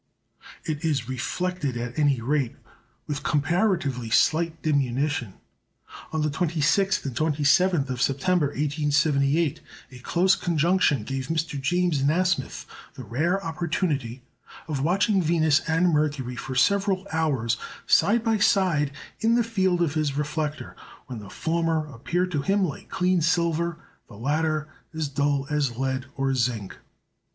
It is reflected, at any rate, with comparatively slight diminution. On the 26th and 27th of September, 1878, a close conjunction gave Mr. James Nasmyth the rare opportunity of watching Venus and Mercury for several hours side by side in the field of his reflector; when the former appeared to him like clean silver, the latter as dull as lead or zinc.